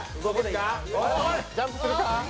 おっジャンプするか？